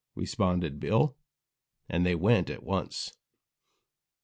responded Bill. And they went at once.